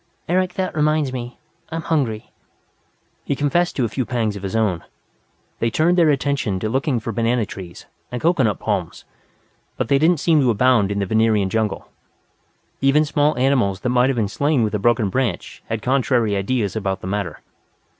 "Eric, that reminds me that I'm hungry." He confessed to a few pangs of his own. They turned their attention to looking for banana trees, and coconut palms, but they did not seem to abound in the Venerian jungle. Even small animals that might have been slain with a broken branch had contrary ideas about the matter.